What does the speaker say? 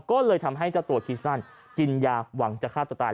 ก็เลยทำให้เจ้าตัวคิดสั้นกินยาหวังจะฆ่าตัวตาย